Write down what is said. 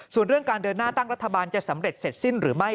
ส่วนเรื่องการเดินหน้าตั้งรัฐบาลจะสำเร็จเสร็จสิ้นหรือไม่